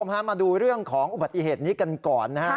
พามาดูเรื่องของอุบัติเหตุนี้กันก่อนนะฮะ